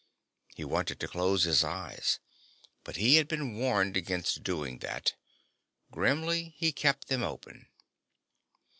He wanted to close his eyes, but he had been warned against doing that. Grimly, he kept them open.